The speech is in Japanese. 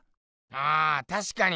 あたしかに！